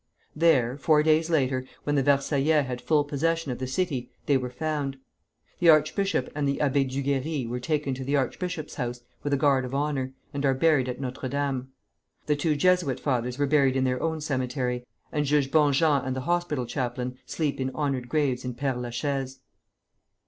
There, four days later, when the Versaillais had full possession of the city, they were found. The archbishop and the Abbé Duguerrey were taken to the archbishop's house with a guard of honor, and are buried at Notre Dame. The two Jesuit fathers were buried in their own cemetery, and Judge Bonjean and the hospital chaplain sleep in honored graves in Père la Chaise.